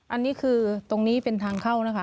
อันนี้คือตรงนี้เป็นทางเข้านะคะ